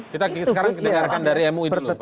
kita sekarang dengar dari mui dulu